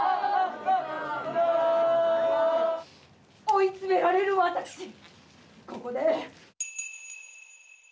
「追い詰められる私ここで」。